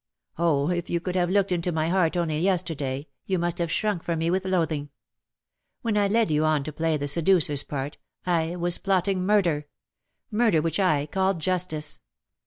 Oh, if you could have looked into my heart only yesterday, you must have shrunk from me with loathing. When I led you on to play the seducer''s part, I was plot ting murder — murder which I called justice.